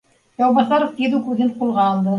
Яубаҫаров тиҙ үк үҙен ҡулға алды